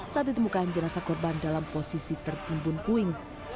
saat ditemukan jenasa korban dalam posisi tertimbun puing